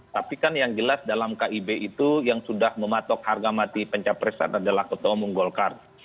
tapi kan yang jelas dalam kib itu yang sudah mematok harga mati pencapresan adalah ketua umum golkar